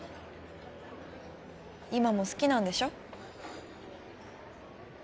今も好きなんでしょ？